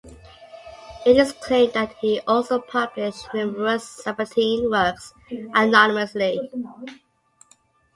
It is claimed that he also published numerous Sabbatean works anonymously.